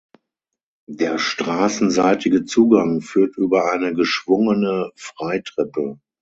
Der straßenseitige Zugang führt über eine geschwungene Freitreppe.